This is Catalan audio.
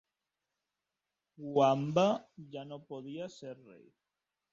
Wamba ja no podia ser rei.